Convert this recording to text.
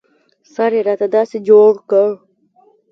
سر يې راته داسې جوړ کړ.